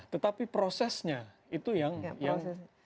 tetapi prosesnya itu yang